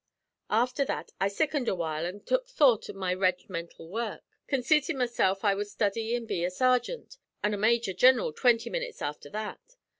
"Afther that I sickened a while an' tuk thought to my reg'mental work, conceiting mesilf I wud study an' be a sargint, an' a major gineral twinty minutes afther that.